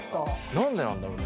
何でなんだろうね？